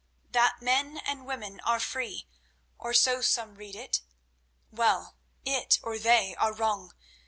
That men and women are free, or so some read it. Well, it or they are wrong.